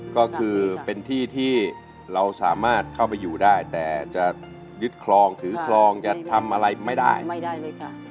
ก็คือเป็นที่ที่เราสามารถเข้าไปอยู่ได้แต่จะยึดคลองถือคลองจะทำอะไรไม่ได้ไม่ได้เลยค่ะ